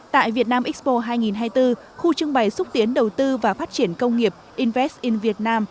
tại việt nam expo hai nghìn hai mươi bốn khu trưng bày xúc tiến đầu tư và phát triển công nghiệp invest in việt nam